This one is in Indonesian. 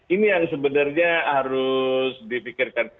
ini yang sebenarnya harus dipikirkan